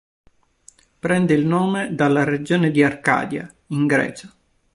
Prende il nome dalla regione di Arcadia, in Grecia.